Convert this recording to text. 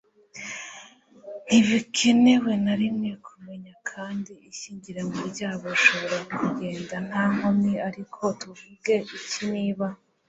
ntibikenewe na rimwe kumenya kandi ishyingiranwa ryabo rishobora kugenda nta nkomyi. ariko tuvuge iki niba